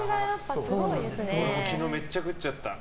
俺も昨日めっちゃ食っちゃった。